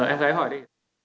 em gái hỏi đi